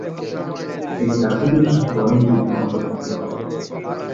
তিনি রাসুলের সাথে অনেক যুদ্ধে অংশ গ্রহণ করেন।